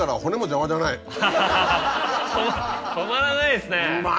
止まらないですね。